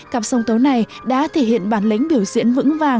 cặp sông tối này đã thể hiện bản lĩnh biểu diễn vững